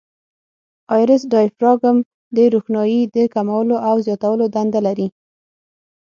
آیرس ډایفراګم د روښنایي د کمولو او زیاتولو دنده لري.